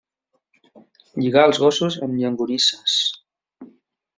Lligar els gossos amb llonganisses.